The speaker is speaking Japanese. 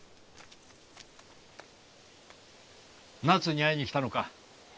奈津に会いに来たのか？